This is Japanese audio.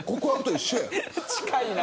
近いな。